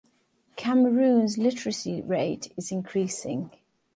Cameroon's literacy rate is increasing.